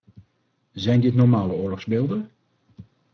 Zijn dit normale oorlogsbeelden?